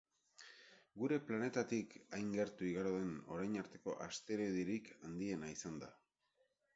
Gure planetatik hain gertu igaro den orain arteko asteroiderik handiena izan da.